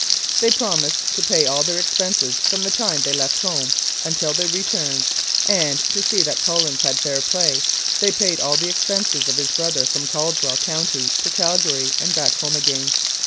They promised to pay all their expenses from the time they left home until they returned and, to see that Collins had fair play, they paid all the expenses of his brother from Caldwell County to Calgary and back home again.